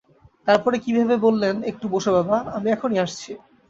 তারপরে কী ভেবে বললেন, একটু বোসো বাবা, আমি এখনই আসছি।